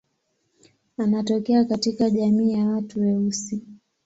Anatokea katika jamii ya watu weusi.